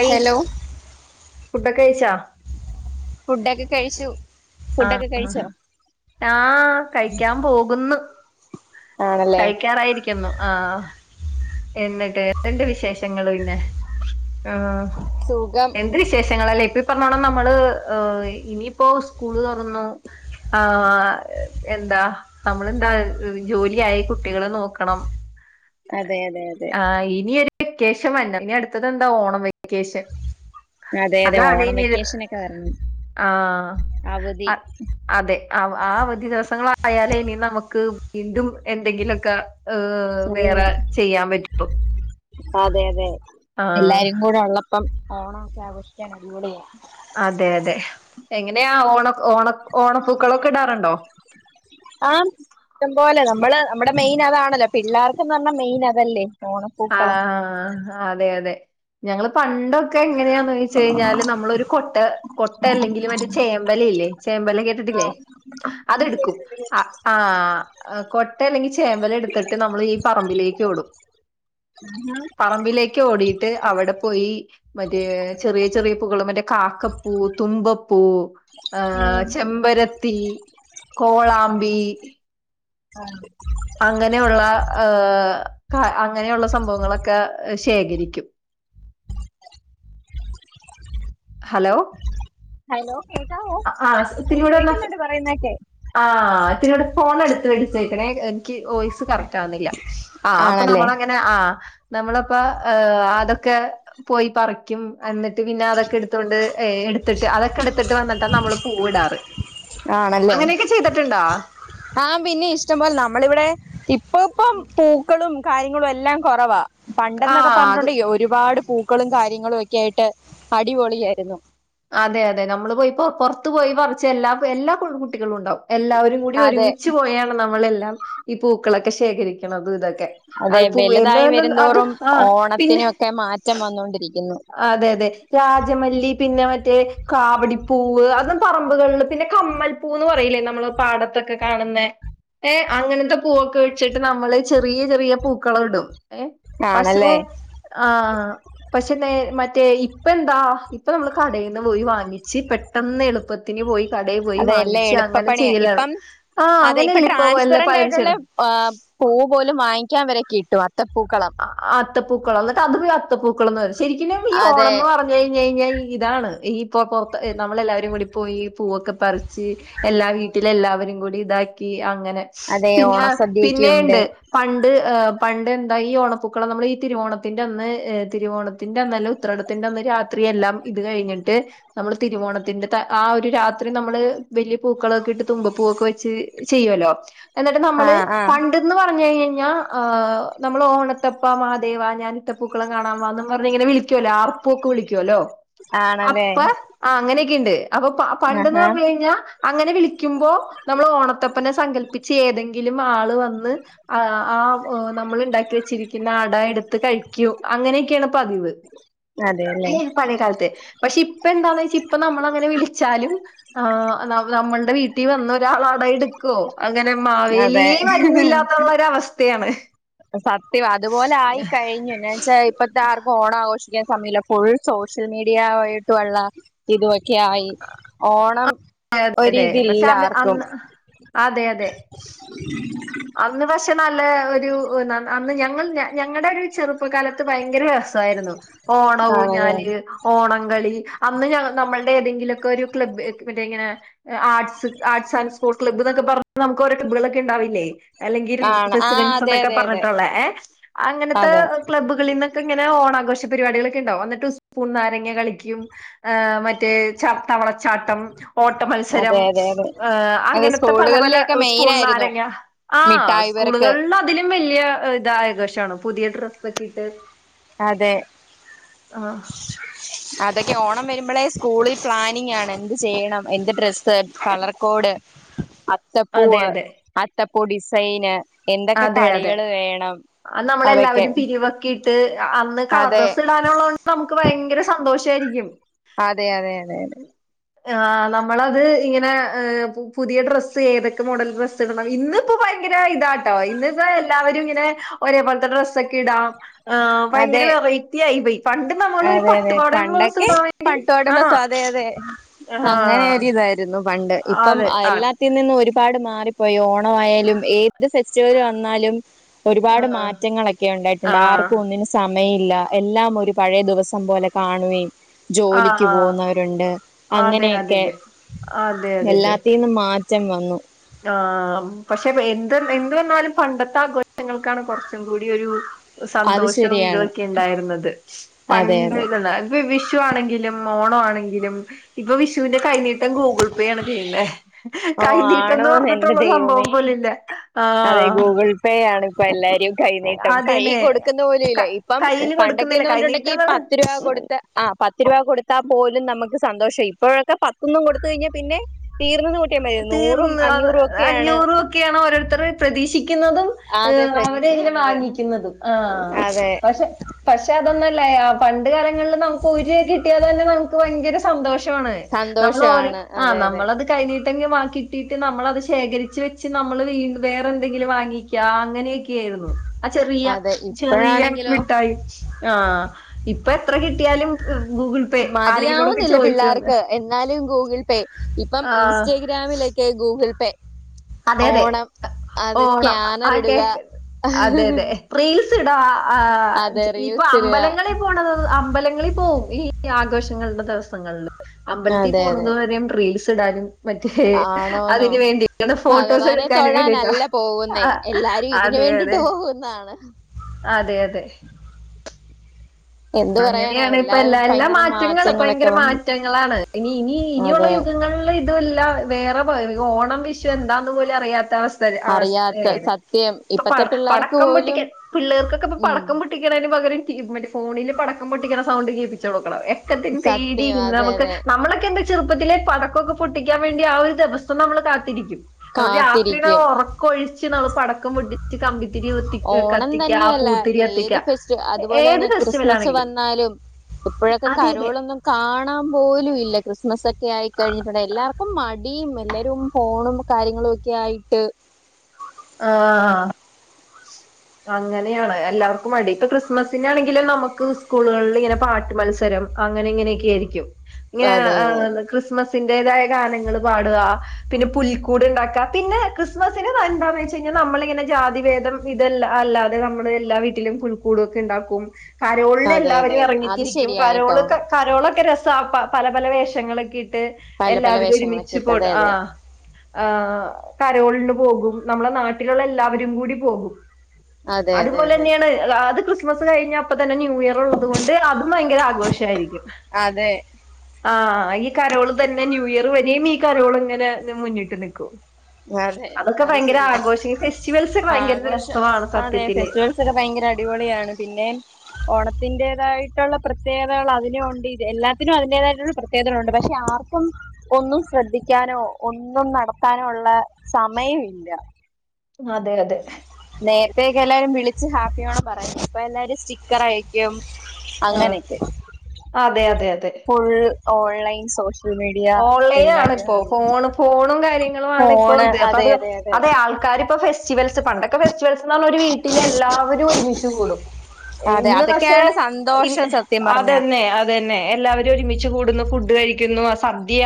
അയ് ഹലോ ഫുഡോകെയിച്ചാ ഫുഡെക്കെ കഴിച്ചു ആഹ് ഫുഡൊക്കെ ആഹ് കഴിച്ചോ ആ കയിക്കാൻ പോകുന്നു ആണല്ലേ കഴിക്കാറായിരിക്കുന്നു ആ എന്നിട്ട് എന്തിണ്ട് വിശേഷങ്ങള് പിന്നെ ആഹ് സുഖം എന്ത് വിശേഷങ്ങളല്ലേ ഇപ്പ് പ്പറന്നോണം നമ്മള് ഇനിയിപ്പോ സ്കൂള് തൊറന്നു ആഹ് എന്താ നമ്മളെന്താ ജോലിയായി കുട്ടികളെ നോക്കണം അതെ അതെ അതെ ആഹ് ഇനി ഒരു വെക്കേഷൻ വരണം ഇനി അടുത്തതെന്താ ഓണം വെക്കേഷൻ അതെ അതെ ഓണം അതാണിനി വെക്കേഷൻ ഒക്കെ വരണം ആഹ്‌ അവധി അഹ്‌ അതെ അവ് ആ അവധി ദിവസങ്ങളായാലേ ഇനി നമുക്ക് വീണ്ടും എന്തെങ്കിലക്ക ഏഹ്‌ ഉം വേറെ ചെയ്യാൻ പറ്റുള്ളൂ അതെ അതെ ആഹ് എല്ലാരും ഇവിടെ ഒള്ളപ്പം ഓണക്കെ ആഘോഷിക്കാൻ അടിപൊളിയാ അതെ അതെ എങ്ങനെയാ ഓണ ഓണ ഓണപ്പൂക്കളൊക്കെടാറുണ്ടോ ആം ഇഷ്ട്ടം പോലെ നമ്മള് നമ്മുടെ മെയിൻ അതാണല്ലോ പിള്ളേർക്ക്ന്ന് അർഞ്ഞ മെയിൻ അതല്ലേ ഓണപ്പൂക്കളം ആഹ്‌ അതെ അതെ ഞങ്ങള് പണ്ടൊക്കെ എങ്ങനെയാന്നോയ്ച്ച് കയിഞ്ഞാല് നമ്മളൊരു കൊട്ട കൊട്ട അല്ലെങ്കില് മറ്റേ ചേമ്പല ഇല്ലേ ചേമ്പല കേട്ടിട്ടില്ലേ അതെടുക്കും അ ആഹ് കൊട്ട അല്ലെങ്കി ചേമ്പല എടുത്തിട്ട് നമ്മൾ ഈ പറമ്പിലേക്കോടും പറമ്പിലേക്ക് ഓടിയിട്ട് അവിടെ പോയി മറ്റേ ചെറിയ ചെറിയ പൂക്കള് മറ്റു കാക്കപ്പൂ തുമ്പപ്പൂ ആഹ്‌ ഉം ചെമ്പരത്തി കോളാമ്പി ആഹ് അങ്ങനെയുള്ള ഏഹ് ക അങ്ങനെയുള്ള സംഭവങ്ങളൊക്കെ ശേഖരിക്കും ഹലോ ഹലോ കേക്കാവോ ആഹ് ഞൻ ഒത്തിരികൂടെ ഒന്ന് കേക്ക്ന്ന്ണ്ട് പറയുന്നൊക്കെ ആഹ് ഇത്തിരൂടെ ഫോണടുത്ത് വെച്ചേക്കണേ എനിക്ക് വോയിസ് കറക്റ്റ് ആവുന്നില്ല ആഹ് അപ്പൊ ആണല്ലേ നമ്മളങ്ങനെ ആഹ് നമ്മളപ്പ അതൊക്കെ പോയി പറിക്കും എന്നിട്ട് പിന്നെ അതൊക്കെ എടു അതോണ്ട് ഏഹ് എടുത്തിട്ട് അതൊക്കെ എടുത്തിട്ട് വന്നിട്ടാ നമ്മള് പൂവിടാറ്. ആണല്ലേ? അങ്ങനെയൊക്കെ ചെയ്തിട്ടുണ്ടോ? ആഹ് പിന്നെ ഇഷ്ടംപോലെ നമ്മളിവിടെ ഇപ് ഇപ്പൊ ഇപ്പം പൂക്കളും കാര്യങ്ങളും എല്ലാം കൊറവാ പണ്ടെന്നൊക്കെ ആഹ് അത് പറഞ്ഞിട്ടുണ്ടെങ്കി ഒരു ഒരുപാട് പൂക്കളും കാര്യങ്ങളുവൊക്കെ ആയിട്ട് അടിപൊളിയായിരുന്നു. അതെ അതെ നമ്മള് പോയി പൊ പുറത്ത് പോയി പറിച്ച എല്ലാ എല്ലാ പെൺ കുട്ടികളുണ്ടാവും. എല്ലാവരും കൂടി അതെ ഒരുമിച്ച് പോയാണ് നമ്മളെല്ലാം ഈ പൂക്കളൊക്കെ ശേഖരിക്കണതിതൊക്കെ. അതെ വെലുതായി വെരുന്തോറും ആഹ് പിന്നെ ഓണത്തിനൊക്കെ മാറ്റം വന്നോണ്ടിരിക്കുന്നു. അതെ അതെ രാജമല്ലി പിന്നെ മറ്റേ കാവടിപ്പൂവ് അതും പറമ്പുകളിൽ പിന്നെ കമ്മൽ പൂന്ന് പറയിലേ നമ്മള് പാടത്തൊക്കെ കാണുന്നെ. ഏഹ് അങ്ങനത്തെ പൂവൊക്കെ വെച്ചിട്ട് നമ്മള് ചെറീയ ചെറീയ പൂക്കളവിടും ഏഹ് പക്ഷേ ആണല്ലേ ആഹ് പക്ഷെ നേ മറ്റേ ഇപ്പ എന്താ? ഇപ്പൊ നമ്മൾ കടയിൽന്ന് പോയി വാങ്ങിച്ച് പെട്ടെന്ന് എളുപ്പത്തിന് പോയി കടയിൽ പോയി അതെ വാങ്ങി എല്ലാം ച് അങ്ങനെ എളുപ്പപ്പണിയാ ചെയ്യലാണ് ഇപ്പം ആഹ് അങ്ങനെയല്ലേ ഇപ്പ വല്ല പല [unintelligible] ആഹ് പൂ പോലും വാങ്ങിക്കാൻ വരെ കിട്ടും ത്തപ്പൂക്കളം. അ അത്തപ്പൂക്കളം അന്നിട്ട് അത് പിന്നെ അത്തപ്പൂക്കളന്നറയും ശെരിക്കിനും ഈ ഓണം അതെ എന്ന് പറഞ്ഞ കയിഞ്ഞയിഞ്ഞ ഇ ഇതാണ് ഈ ഇപ്പൊ പൊറ്ത്ത് ഇ നമ്മളെല്ലാരും കൂടി പോയി പൂവൊക്കെ പറിച്ച്. എല്ലാ വീട്ടിലും എല്ലാവരും കൂടി ഇതാക്കി അങ്ങനെ അതെ പിന്നെ ഓണസദ്യയൊക്കെ ഉണ്ട് പിന്നെയിണ്ട്. പണ്ട് ഏഹ് പണ്ട് ദ ഈ ഓണപ്പൂക്കളം നമ്മൾ ഈ തിരുവോണത്തിന്റന്ന് ഏഹ് തിരുവോണത്തിന്റെറെന്നല്ല ഉത്രടത്തിന്റന്ന് രാത്രി എല്ലാം. ഇത് കഴിഞ്ഞിട്ട് നമ്മള് തിരുവോണത്തിന്റെ ത ആ ഒരു രാത്രി നമ്മള് വെലിയ പൂക്കളവൊക്കെ ഇട്ട് തുമ്പപ്പൂവൊക്കെ വെച്ച്. ത് ചെയ്യോലോ എന്നിട്ട് ആ നമ്മള് ആ പണ്ട്‌ന്ന് പറഞ്ഞഴ്ഞ് കയ്ഞ്ഞാ ആഹ് നമ്മൾ ഓണത്തപ്പാ മാഹാദേവ ഞാനിട്ട പ്പൂക്കളം കാണാൻ വാന്നും പറഞ്ഞിങ്ങനെ വിളിക്കോല്ലൊ ആ കൂക്ക് വിളിക്കോല്ലോ ആണല്ലേ അപ്പ ആ അങ്ങനെക്കിണ്ട് അപ്പൊ പ പണ്ടെന്ന് ആഹാ പറഞ്ഞ് കഴിഞ്ഞാ അങ്ങനെ വിളിക്കുമ്പോ നമ്മൾ ഓണത്തപ്പനെ സങ്കല്പ്പിചേതെങ്കിലും ആള് വന്ന് അഹ് ആ [unintelligible] മ്മൾ ഇണ്ടാക്കി വെച്ചിരിക്കുന്ന അട എടുത്ത് കഴിക്കു അങ്ങനെയൊക്കെയാണ് പതിവ്. അതെ അല്ലേ [unintelligible] പഴെ കാൽത്ത് പക്ഷെ ഇപ്പ എന്താന്ന് ചോയിച്ചാ ഇപ്പ നമ്മൾ അങ്ങനെ വിളിച്ചാലും. ആഹ് നം നമ്മൾടെ വീട്ടി വന്ന ഒരാളാണ് എട് ക്കോ അങ്ങനെ അതെ മാവേലിയെ വരുന്നില്ലാന്ന് ഇള്ളൊര് വസ്ഥയാണ്. സത്യവാ അതുപോലെ ആയി കഴിഞ്ഞു എന്ന് വെച്ചാ ഇ പ്പത്തെ ആർക്കും ഓണം ആഘോഷിക്കാൻ സമയം ഇല്ല ഫുൾ സോഷ്യൽ മീഡിയ വായിട്ടുള്ള. ഇതുവൊക്കെ ആയി ഓണം അതെ അതെ അതെ പക്ഷെ ഒരിതില്ല അത് ആർക്കും അന്ന് ആഹ് അതെ അതെ. ഉം [unintelligible] അന്ന് പക്ഷെ നല്ലെ ഒരു നന്ന് അന്ന് ഞങ്ങൾ ഞ ഞങ്ങൾടെ ഒരു ചെറുപ്പ കാല ത്ത് ഭയങ്കര രസായിരുന്നു ഓണ ആണത് ഊഞ്ഞാല്. ഓണംകളി അന്ന് ഞ നമ്മൾടെ ഏതെങ്കിലൊക്കെ ഒരു ക്ലബ് ഇത് പിന്നെ ഇങ്ങനെ. A arts arts and uh arts arts and sport ക്ലബ്‌ന്നൊക്കെ പർട്ട് നമുക്ക് ഒരോ കബ്ബുകളൊക്കെ ഇണ്ടാവില്ലെ? അല്ലെങ്കിൽ ആണ് ആ റെസിഡൻസ് അതെ എന്നൊക്കെ അതെ അതെ പറഞ്ഞിട്ട് ഉള്ളെ ഏഹ് അങ്ങനത്തെ അതെ ക്ലബ്ബുകളീന്ന് ഒക്കെ ഇങ്ങനെ ഓണാഘോഷ പരിപാടികളൊക്കെ ഇണ്ടാവും എന്നിട്ട് സ്പൂൺ നാരങ്ങ കളിക്കും ഏഹ് മറ്റേ ചാ തവളച്ചാട്ടം ഓട്ട അതെ മത്സരം. അതെ അതെ ഏഹ് അതെ അങ്ങനത്തെ പല പല സ്കൂളുകളിലൊക്കെ മെയിൻ ഉസ്പൂൺ ആയിരുന്നു നാരെങ്ങ. ആഹ് മിഠായി പെറക്ക് സ്കൂളുകളിൽ അതിലും വല്ല്യ ഇതായ ആഘോഷാണ് പുതിയ ഡ്രസ്സ് ഒക്കെ ഇട്ട്. അതെ ആഹ് അതോക്കെ ഓണം വെരുമ്പള െ സ്കൂളിൽ പ്ലാനിങ്ങാണ് എന്ത് ചെയ്യണം എന്ത് ഡ്രസ്സ് കളർ കോഡ്. അ ത്ത പൂവ് അത്ത പൂ ഡിസൈന്. എന്തൊക്കെ അതെ അതെ കളികൾ വേണം അതൊക്കെ. ക്കിട്ട് അന്ന് കളർ അതെ ഡ്രസ്സ് ഇടാനൊള്ളോണ്ട് നമുക്ക് ഭയങ്കര സന്തോഷായിരിക്കും അതെ അതെ അതെ. ആഹ് നമ്മളത് ഇങ്ങന പുതിയ ഡ്രസ്സ് ഏതൊക്കെ മോഡൽ ഡ്രസ് തിടണം ഇന്ന്പ്പോ ഭയങ്കര ഇതാ ഇന്നിപ്പ എല്ലാവരുങ്ങനെ ഒരേ പോലത്തെ ഡ്രസ്സൊക്കെ ഇടാം ആ ഭയങ്കര അതെ വെറൈറ്റി ആയിപോയി പണ്ട് നമ്മൾ ഒരു അതെ അതെ പട്ടുപാവാടായും ബ്ലൗസ് പണ്ടൊക്കെ ഇടാൻ വേണ്ടിട്ട് [unintelligible] അതെ അതെ ആഹ് അങ്ങനൊരു ഇതാ പണ്ട് ഇപ്പം അതെ അത് എല്ലാത്തിൽ നിന്നും ഒരുപാട് മാറി ഇപ്പൊ ഓണമായാലും ഏത് ഫെസ്റ്റിവൽ വന്നാലും ഒരുപാട് ആഹ് മാറ്റങ്ങളൊക്കെ ഉണ്ടായിട്ടുണ്ട് ആർ ആഹ് സമയമില്ല എല്ലാം ഒരു പഴയ ദിവസം പോലെ കാണുകയും ജോലിക്ക് ആഹ് പോകുന്ന ഇണ്ട് അതെ അതെ അങ്ങനെയൊക്കെ അതെ അതെ അതെ അതെ എല്ലാത്തിന്നും മാറ്റം വന്നു. ആഹ് പക്ഷെ എന്ത് എന്ത് വന്നാലും പണ്ടത്തെ ആഘോ ഇനിക്കാണ് കൊറച്ചും കൂടി ഒരു അത് സന്തോഷും ശരിയാണ് ഇതൊക്കെണ്ടായിരുന്നത് അതെ അതെ പണ്ട് വിഷു ആണെങ്കിലും ഓണ ആണെങ്കിലും ഇപ്പൊ വിഷുവിന്റെ കൈനീട്ടം ഗൂഗിൾ പേ ആണ് ചെയ്യുന്നേ ഓ കൈനീട്ടന്ന് ആണോന്ന് എന്റെ പറഞ്ഞിട്ടുള്ള സംഭവം ദൈവമേ പോലല്ല അതെ ഗൂഗിൾ പേയാണ് പ്പൊ എല്ലാരും കൈനീട്ടം, കൈ അതന്നെ കൊടുക്കുന്നു പോലു ക ഇല്ല, ഇപ്പം കയ്യില് കൊടുക്കുന്നില്ല പണ്ടൊക്കെന്ന് പർഞ്ഞിട്ടുണ്ടെങ്കി പ കൈനീട്ടംന്നാണ് ത്തുരൂവയാ കൊടുത്തെ ആ പത് ത്തിരുപ കൊടുത്താ പോലും നമുക്ക് സന്തോഷം ഇപ്പോഴൊക്കെ പത്തൊന്നും കൊടുത്ത കഴിഞ്ഞാ പിന്നെ തീർന്നെന്ന് ഇന്ക്ക് നൂറും അഞ്ഞൂറും ഒക്കെയാണ് ക്കെയണ് ഓരോരുത്തർ പ്രതീക്ഷിക്കുന്നതും. ഏ അതെ അവരെങ്ങനെ പ്രതീക്ഷിക്കുന്നത് വാങ്ങിക്കുന്നത് ആ അതെ പക്ഷേ പക്ഷെ അതൊന്നല്ലേ പണ്ട് കാലങ്ങളിൽ നമുക്ക് ഒരി കിട്ടിയത് തന്നെ നമുക്ക് ഭയങ്കര സന്തോഷണ്. നമ്മള് ഓരോ സന്തോഷാണ് ആ അതെ അതെ നമ്മളത് കൈ നീ [unintelligible] ബാക്കിട്ടീട്ട് നമ്മളത് ശേഖരിച്ച് വെച്ച് നമ്മൾ വീ വേറെ എന്തെങ്കിലും വാങ്ങിക്ക അങ്ങനെയൊകെയ്ന്നു ആ ചെറിയ അതെ ചെറിയ ഇപ്പോഴാണെങ്കിലോ മിട്ടായി ആഹ് ഇപ്പൊ എത്ര കിട്ടിയാലും ഗൂഗിൾ പേ ആരെങ്കിലോടൊക്കെ മതിയാവുന്നില്ല ചോദിച്ചോന്ന് പിള്ളേർക്ക്. എന്നാലും ഗൂഗിൾ പേ ഇപ്പം ആഹ് ഇൻസ്റ്റഗ്രാമിലൊക്കെ ഗൂഗിൾ പേ അതെ അതെ ഓണം അത് ഓണം ആ സ്കാനർ ഇടുക കേക്ക് ആ, അതെ അതെ റീൽസ്ടാ ആ അതെ ഇപ്പൊ റീൽസ് ഇടുക അമ്പലങ്ങളെ പോണത് അമ്പലങ്ങളിൽ പോവും ഈ ആഘോഷങ്ങളുടെ ദിവസങ്ങളിൽ. അമ്പലത്തിൽ അതെ അതെ പോണത് വരെ റീൽസ് ഇടാനും മറ്റേ ആണോന്നോ അതിന് വേണ്ടി. അങ്ങനെ ഭഗവാനെ ഫോട്ടോസെടുക്കാൻ വേണ്ടിട്ടാ, തൊഴാനല്ല പോകുന്നേ ആ എല്ലാരും ഇതിനു അതെ വേണ്ടിട്ട് അതെ. പോകുന്നതാണ് അതെ അതെ എന്തു പറയാനാ അങ്ങനെയാണിപ്പ എല്ലാ എല്ലാവരും എല്ലാ ഭയങ്കര മാറ്റങ്ങള് മാറ്റങ്ങളൊക്കെ പയങ്കര വന്നു മാറ്റങ്ങളാണ് ഇനി ഇനി ഇനിയുള്ള അതെ യുഗങ്ങളിലിത് ട്ടല്ല വേറെ പകുതി ഓണം വിഷു എന്താന്ന് പോലും അറിയാത് അവ അറിയാത്ത അവസ്ഥേണ് സത്യം ഇപ്പൊ ഇപ്പത്തെ പിള്ളേർക്ക് പടക്കം പോലും പൊട്ടിക്കൽ പിള്ളേർക്കൊക്കെ ഉം പടക്കം പൊട്ടി കേക്ക് മുറികണേനു പകരം ഫോണിൽ പടക്കം പൊട്ടിക്ക സൗണ്ട്കേ ക്കണം എക്കത്തി പേടി സത്യം അതെ നമുക്ക് അതെ നമ്മളൊക്കെ എന്ത. ചെറുപ്പത്തിലെ പടക്കൊക്കെ പൊട്ടിക്കാൻ വേണ്ടി ആ ഒരു ദെവസം നമ്മള് കാത്തിരിക്കും നമ്മള് രാത്രി ഒ കാത്തിരിക്കും ഒറക്ക് കൊഴിച്ച് നമ്മള് പടക്കം പൊടിച്ച് കമ്പിത്തിരിവ് ഓണം തന്നെയല്ല ഏത് ഫെസ്റ്റ അതുപോലെ ഏത് തന്നെ ഫെസ്റ്റിവൽ ക്രിസ്മസ് ആണെങ്കിലും വന്ന് ന്നാലും ഇപ്പോഴൊക്കെ അതെ അതെ കരോളൊന്നും കാണാൻ പോലുംല്ല. ക്രിസ്മസൊക്കെ ആയി കഴിഞ്ഞിട്ടുണ്ടെ എല്ലാർക്കും മടിയും എല്ലാരും ഫോണും കാര്യങ്ങളും ഒക്കെയായിട്ട് ഏഹ് അങ്ങനെയാണ് എല്ലാർക്കും മടി പ്പൊ ക്രിസ്മസിനാണെങ്കിലും നമുക്ക് സ്കൂളുകളിൽങ്ങനെ പാട്ട് മത്സരം അങ്ങനെ ഇങ്ങനെയൊക്കെ ആയിരിക്കും അതെ അതെ ഇങ്ങനെ ക്രിസ്മസ്. അതിൻ്റേതായ ഗാനങ്ങൾ പാടുക പിന്നെ പുൽക്കൂട് ഇണ്ടാക്കാ പിന്നെ ക്രിസ്മസിന് [unintelligible] ച്ച് കഴിഞ്ഞാ നമ്മൾ ഇങ്ങനെ ജാതിഭേദം ഇത് അല്ല അല്ലാതെ നമ്മൾ എല്ലാ വീട്ടിലും പുൽക്കൂടും ഒക്കെ ഇണ്ടാക്കും അതെ കരോളിന് അതെ അതെ എല്ലാവരും അതെ അത് എറങ്ങിത്തിരിക്കും ശരിയാ കേട്ടോ കരോളൊക്കെ കരോളൊക്കെ രസാ പ പല പല വേഷങ്ങളൊക്കെ ഇട്ട് പല പല എല്ലാവരും വേഷങ്ങളൊക്കെ ഒരുമിച്ച് ഇട്ട് പോട് അതെ അതെ ആഹ് ആഹ് കരോളിന് പോകും നമ്മളെ നാട്ടിലുള്ള എല്ലാവരും കൂടി പോകും അതെ അതെ അതുപോലെ അതെ തന്നെയാണ് അത് ക്രിസ്മസ് കഴിഞ്ഞ് അപ്പ തന്നെ ന്യൂ ന്യൂ ഇയർ ഉള്ളത് കൊണ്ട് അതും ഭയങ്കര ആഘോഷായിരിക്കും അതെ ആഹ് ഈ കരോള് തന്നെ ന്യൂ ഇയർ വരെം ഈ കരോൾ ഇങ്ങനെ ഇത് മുന്ന്ക്ക് നിക്കും അതെ അത് ശരിയാ ഫെസ്റ്റിവൽസ് ഭയങ്കര ആഘോഷം രസമാണ് അതെ സത്യത്തില് ഫെസ്റ്റിവെൽ ഒക്കെ ഭയങ്കര അടിപൊളിയാണ് പിന്നെ ഓണത്തിന്റേതായിട്ടുള്ള പ്രത്യേകതകൾ അതിനു ഒണ്ട് ഇത് എല്ലാത്തിനും അതിന്റേതായിട്ടുള്ള പ്ര ത്യേകതകൾ ഉണ്ട് പക്ഷെ ആർക്കും ഒന്നും ശ്രദ്ധിക്കാനോ ഒന്നും നടത്താനോ ഒ ള്ള സമയം ഇല്ല അതെ അതെ നേരത്തെ ഒക്കെ എല്ലാരും വിളിച്ച് ഹാപ്പി ഓണം പറയുന്നു. ഇപ്പ എല്ലാരും സ്റ്റിക്കർ അയക്കും ആ അങ്ങനെ ഒക്കെ അതെ അതെ അതെ ഫുൾ ഓൺ ലൈൻ സോഷ്യ ഓൺലൈൻ ആണ് ഇപ്പോ ഫോണ് ഫോണും കാര്യങ്ങളും ആണ് ഇപ്പോ ഇത് അപ്പ അത് അതെ ആൾ ക്കാര് ഇപ്പൊ ഫെസ്റ്റിവെൽസ് പണ്ട് ഒക്കെ ഫെസ്റ്റിവെൽസ് എന്ന് പർണാ ഒരു വീട്ടിലെ എല്ലാവരും ഒരുമിച്ച് കൂടും അതെ ഇന്ന് പക്ഷെ അതൊക്കെയാണ് സന്തോഷം ഇന്ന് സത്യം അത് പറഞ്ഞ എന്നെ അ ത് തന്നെ എല്ലാവരും ഒരുമിച്ച് കൂടുന്നു ഫുഡ് കഴിക്കുന്നു ആ സദ്യ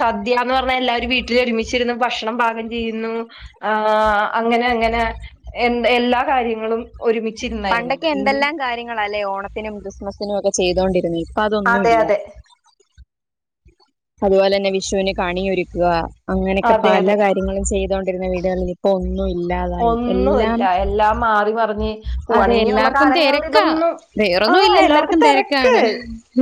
സദ്യാന്ന് പർണാ എല്ലാവരും വീട്ടില് ഒരുമിച്ച് ഇര്ന്ന് ഭക്ഷണം പാകം ചെയ്യുന്നു ആഹ് അങ്ങനെ അങ്ങനെ എന്ത് എല്ലാ കാര്യങ്ങളും ഒരുമിച്ച് ഇര്ന്ന് പണ്ടൊക്കെ എന്തെല്ലാം കാര്യങ്ങളാല്ലേ ഓണത്തിനും ക്രിസ്മസിനും ഒക്കെ ചെയ്തോണ്ടിരുന്നേ ഇപ്പ അതൊന്നും അതെ ഇല്ല അതെ അത്പോലെന്നെ വിഷൂന് കണിയൊരുക്കുക അങ്ങനൊക്കെ പല കാര്യങ്ങളും ചെയ്തോണ്ടിരുന്ന വീടുകളില് ഒന്നും ഇല്ല എല്ലാം മാറി മറിഞ്ഞ് പുവാണ് അതെ ഇനി ഒള്ള എല്ലാവർക്കും കാലങ്ങളള് തിരക്കാ ഇതൊന്നും വേറൊന്നും ആഹ് ഇല്ല എല്ലാർക്കും എല്ലാവർക്കും തെരക്ക് തിരക്കാണ്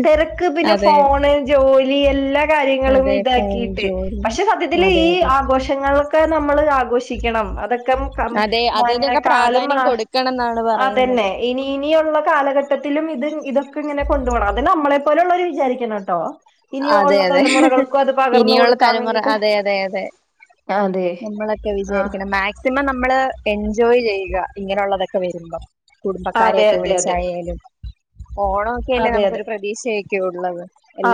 തെരക്ക് പിന്നെ അതെ ഫോണ് ജോലി എല്ലാം കാര്യങ്ങളും അതെ ഫോൺ ഇതാക്കീട്ട് ജോലി പക്ഷെ സത്യത്തില് അതെ ഈ അതെ ആഘോഷ് ങ്ങളൊക്കെ നമ്മള് ആഘോഷിക്കണം അത ക്കം കം അതെ മോ അതിനൊക്കെ കാലം പ്രാധാന്യം മാ കൊടുക്കണം എന്നാണ് പറയുന്നത് അതെന്നെ ഇനി ഇനി ഒള്ള കാലഘട്ടത്തിലും ഇത് ഇതൊക്കെ ഇങ്ങനെ കൊണ്ട് പോണം അത് നമ്മളെ പോലെ ഒള്ളോര് വിജാരിക്കണോട്ടോ അതെ അതെ ഇനിയൊള്ള കൊടുക്കാൻ തലമുറ വേണ്ടിട്ട് അതെ അതെ അതെ അതെ നമ്മളൊക്കെ ആഹ് വിചാരിക്കണം മേക് സിമം നമ്മള് എൻജോയ് ചെയ്യുക ഇങ്ങനെ ഒള്ളതൊക്കെ വരുമ്പം അതെ കുടുംബക്കാരെക്കെ അതെ അതെ വിളിച്ചായാലും ഓണം ഒക്കെയല്ലേ അതെ അതെ നമുക്കൊരു പ്രതീക്ഷയൊക്കെ ഒള്ളത്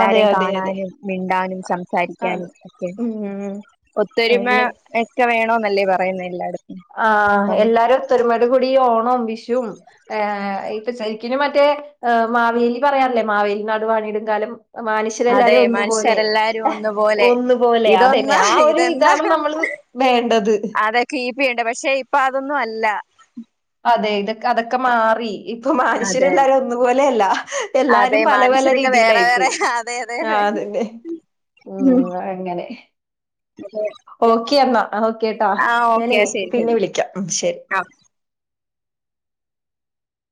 അതെ അതെ അതെ കാണാനും മിണ്ടാനും അതെ സംസാരിക്കാനും ഒക്കെ ഉം ഒത്തൊരുമ ഇങ്ങനെ എക്കെ വേണോന്നല്ലേ പറയുന്നേ എല്ലായിട ആഹ് എല്ലാരും ഒത്തൊരു മേട് കൂടി ഓണും വിഷും ഏഹ് ഇ പ്പ ഷരിക്കിനും മറ്റേ ആ മാവേലി പറയാറില്ലേ മാവേലി നാടുവാണീടും കാലം അതെ മാനുഷ്യരെല്ലാരും ഒന്നു പോലെ മനുഷ്യരെല്ലാരും ഒന്നുപോലെ ഒന്നു പോലെ അതന്നെ ഇതൊന്ന് ആ ഒരു ഇതെന്താ ഇതാണ് നമ്മള് വേണ്ടത് കീപ്പിയ്യണ്ടേ പക്ഷെ ഇപ്പ അതൊന്നും അല്ല അതെ ഇതക്ക അതക്ക മാറി ഇപ്പം അതെ മാനുഷ്യരെല്ലാരും ഒന്നു പോലെ അല്ല അതെ എല്ലാരും പല പല മനുഷ്യരൊക്കെ വേറെ വേറെ രീതിലായിപ്പോയി അതെ അതെ അതെ ആഹ് അതന്നെ ഉം അങ്ങനെ തന്നെ ഓക്കെ എന്നാ ആ ഓക്കെട്ടാ ഞാനേ പിന്നെ വിളിക്കാം ഉം ശരി ആഹ്